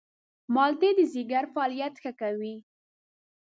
مالټې د ځيګر فعالیت ښه کوي.